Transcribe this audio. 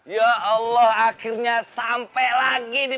ya allah akhirnya sampai lagi di pesan tren tercinta ini